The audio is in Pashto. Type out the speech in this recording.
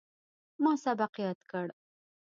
ما سبق یاد کړ.